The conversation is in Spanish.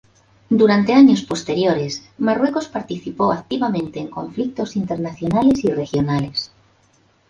Durante años posteriores, Marruecos participó activamente en conflictos internacionales y regionales.